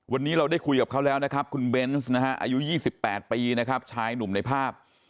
วันนี้เราได้คุยกับเขาแล้วนะครับคุณเบนส์นะฮะอายุ๒๘ปีนะครับชายหนุ่มในภาพ